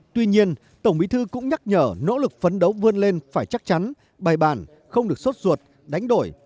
tuy nhiên tổng bí thư cũng nhắc nhở nỗ lực phấn đấu vươn lên phải chắc chắn bài bản không được sốt ruột đánh đổi